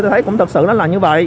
tôi thấy cũng thật sự là như vậy